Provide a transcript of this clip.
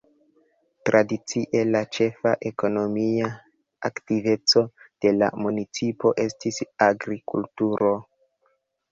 Tradicie la ĉefa ekonomia aktiveco de la municipo estis agrikulturo.